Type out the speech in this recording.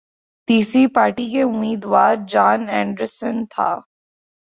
تیسری پارٹی کے امیدوار جان اینڈرسن تھا